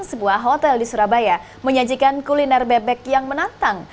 sebuah hotel di surabaya menyajikan kuliner bebek yang menantang